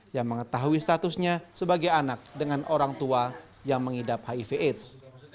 yang mengetahui statusnya sebagai anak dengan orang tua yang mengidap hiv aids